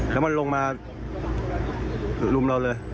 แล้วมันลงมารุมเราเลย